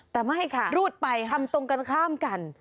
แต่ไม่ค่ะรูดไปทำตรงกันข้ามกัน